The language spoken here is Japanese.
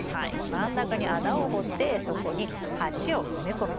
真ん中に穴を掘ってそこに鉢を埋め込みます。